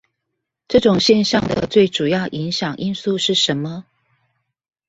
這種現象的最主要影響因素是什麼？